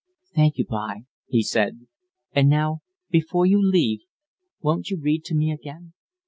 "Thank you, b'y," he said. "And now before you leave me won't you read to me again?